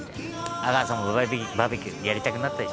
「阿川さんもバーベキューやりたくなったでしょ？」